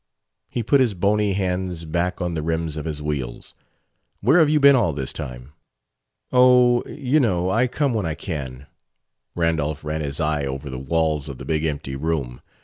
He put his bony hands back on the rims of his wheels. "Where have you been all this time?" "Oh, you know I come when I can." Randolph ran his eye over the walls of the big empty room.